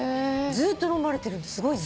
ずっと飲まれてるってすごいね。